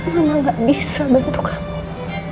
mama gak bisa bantu kamu